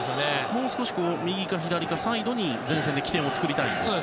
もう少し右か左かサイドで前線で起点を作りたいんですか？